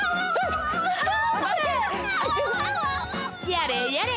やれやれ。